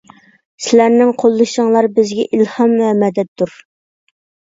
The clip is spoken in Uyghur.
سىلەرنىڭ قوللىشىڭلار بىزگە ئىلھام ۋە مەدەتتۇر.